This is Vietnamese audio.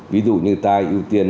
ví dụ như ta ưu tiên